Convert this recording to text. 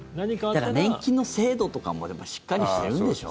だから、年金の制度とかもしっかりしてるんでしょ？